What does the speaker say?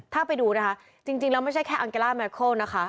ถ้าไปดูนะคะจริงแล้วไม่ใช่แค่อังเกล่าแมเคิลนะคะ